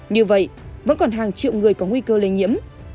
như vậy vẫn còn hàng triệu người có nguy cơ lây nhiễm